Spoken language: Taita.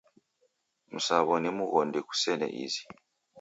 Msaw'o ni mghondi ghusene izi.